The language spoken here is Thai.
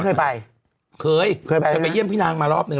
ขยับนิดนึง